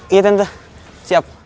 iya tante siap